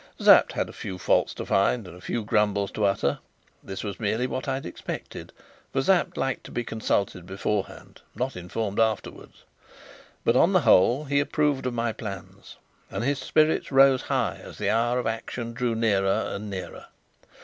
Sapt had a few faults to find and a few grumbles to utter. This was merely what I expected, for Sapt liked to be consulted beforehand, not informed afterwards; but on the whole he approved of my plans, and his spirits rose high as the hour of action drew nearer and nearer.